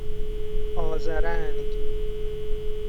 آذرنگ